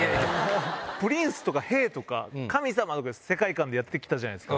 プリンスとか兵とか神様とか世界観でやって来たじゃないっすか。